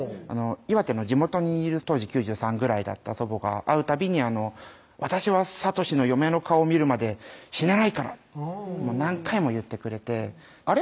岩手の地元にいる当時９３ぐらいだった祖母が会うたびに「私は聡の嫁の顔見るまで死ねないから」何回も言ってくれてあれ？